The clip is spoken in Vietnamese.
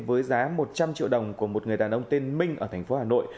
với giá một trăm linh triệu đồng của một người đàn ông tên minh ở thành phố hà nội